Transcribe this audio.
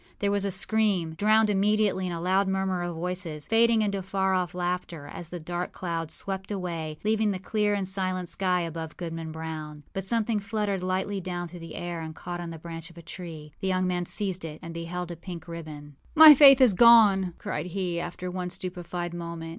There was a scream, drowned immediately in a louder murmur of voices, fading into far off laughter, as the dark cloud swept away, leaving the clear and silent sky above Goodman Brown. But something fluttered lightly down through the air and caught on the branch of a tree. The young man seized it, and beheld a pink ribbon. âMy Faith is gone!â cried he, after one stupefied moment.